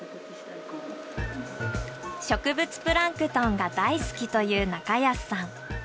植物プランクトンが大好きという中安さん。